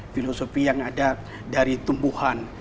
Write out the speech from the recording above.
filosofi yang ada dari tumbuhan